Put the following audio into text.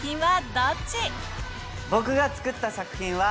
僕が作った作品は。